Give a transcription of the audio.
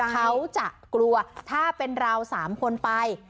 เขาจะกลัวถ้าเป็นเรา๓คนไป